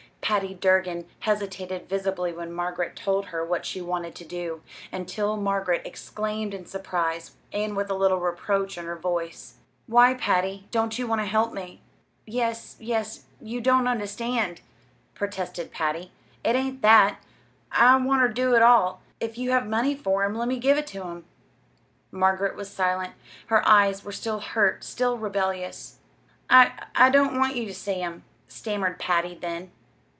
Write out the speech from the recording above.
Patty Durgin hesitated visibly when Margaret told her what she wanted to do, until Margaret exclaimed in surprise, and with a little reproach in her voice: "Why, Patty, don't you want to help me?" "Yes, yes; you don't understand," protested Patty. "It ain't that. I want ter do it all. If you have money for 'em, let me give it to 'em." Margaret was silent. Her eyes were still hurt, still rebellious. "I I don't want you ter see them," stammered Patty, then.